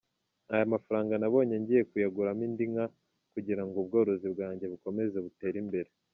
Aya mafaranga nabonye ngiye kuyaguramo indi nka kugira ngo ubworozi bwanjye bukomeze butere imbere.